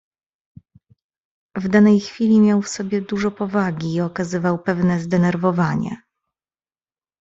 "W danej chwili miał w sobie dużo powagi i okazywał pewne zdenerwowanie."